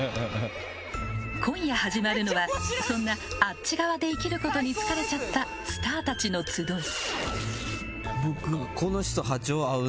今夜始まるのはそんなあっち側で生きることに疲れちゃったスターたちの集い。